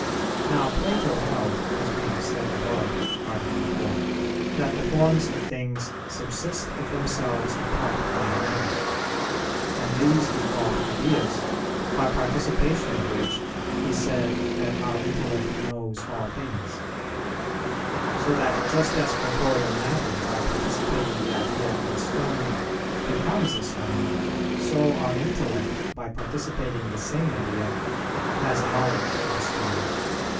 Now Plato held, as we have said above (A. 4), that the forms of things subsist of themselves apart from matter; and these he called ideas, by participation of which he said that our intellect knows all things: so that just as corporeal matter by participating the idea of a stone becomes a stone, so our intellect, by participating the same idea, has knowledge of a stone.